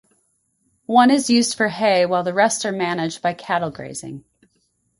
One is used for hay while the rest are managed by cattle grazing.